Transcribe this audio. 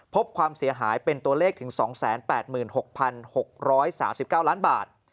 ความเสียหายเป็นตัวเลขถึง๒๘๖๖๓๙ล้านบาท